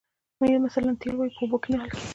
مثلاً تیل ولې په اوبو کې نه حل کیږي